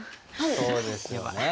そうですよね。